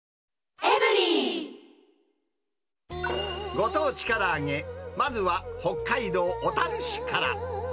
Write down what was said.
ご当地から揚げ、まずは北海道小樽市から。